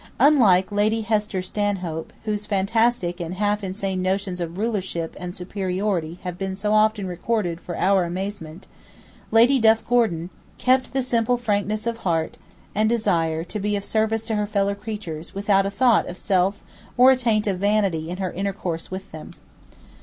Unlike Lady Hester Stanhope, whose fantastic and half insane notions of rulership and superiority have been so often recorded for our amazement, Lady Duff Gordon kept the simple frankness of heart and desire to be of service to her fellow creatures without a thought of self or a taint of vanity in her intercourse with them.